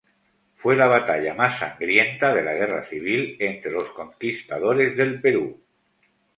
Fue la batalla más sangrienta de la Guerra civil entre los conquistadores del Perú.